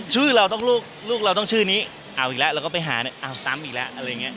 เราต้องลูกเราต้องชื่อนี้เอาอีกแล้วเราก็ไปหาเอาซ้ำอีกแล้วอะไรอย่างนี้